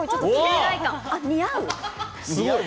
似合う。